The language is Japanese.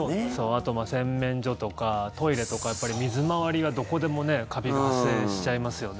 あと洗面所とかトイレとかやっぱり水回りはどこでもカビが発生しちゃいますよね。